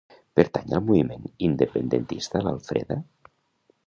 Pertany al moviment independentista l'Alfreda?